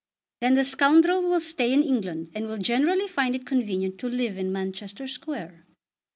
"Then the scoundrel will stay in England, and will generally find it convenient to live in Manchester Square."